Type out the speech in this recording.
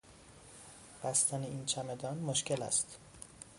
بستن این چمدان مشکل است.